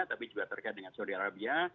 tapi juga terkait dengan saudi arabia